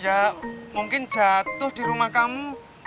ya mungkin jatuh di rumah kamu